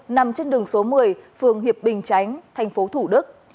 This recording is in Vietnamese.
nằm trên đường số một mươi phường hiệp bình chánh thành phố thủ đức